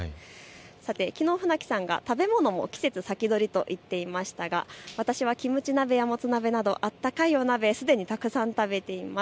きのう、船木さんが食べ物の季節先取りと言っていましたが私はキムチ鍋やもつ鍋など温かい鍋すでにたくさん食べていいます。